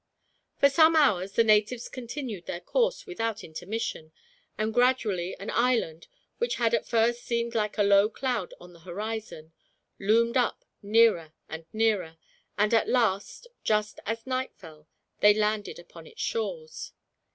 For some hours the natives continued their course without intermission, and gradually an island, which had at first seemed like a low cloud on the horizon, loomed up nearer and nearer; and at last, just as night fell, they landed upon its shores.